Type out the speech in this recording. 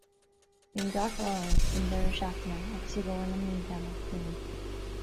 Guím gach rath oraibh don deireadh seachtaine agus i gcomhair na mblianta amach romhainn